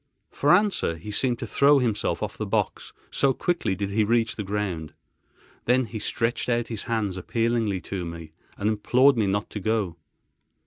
For answer he seemed to throw himself off the box, so quickly did he reach the ground. Then he stretched out his hands appealingly to me, and implored me not to go.